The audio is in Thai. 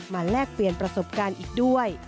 แลกเปลี่ยนประสบการณ์อีกด้วย